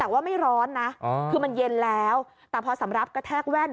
แต่ว่าไม่ร้อนนะคือมันเย็นแล้วแต่พอสำรับกระแทกแว่น